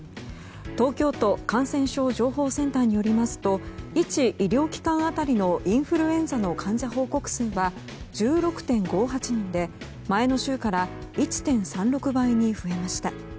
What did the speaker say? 東京都感染症情報センターによりますと１医療機関当たりのインフルエンザの患者報告数は１６．５８人で前の週から１．３６倍に増えました。